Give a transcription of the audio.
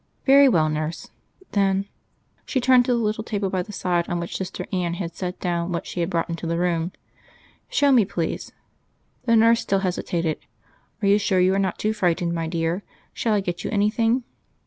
"Very well, nurse.... Then " She turned to the little table by the side on which Sister Anne had set down what she had brought into the room. "Show me, please." The nurse still hesitated. "Are you sure you are not too frightened, my dear? Shall I get you anything?"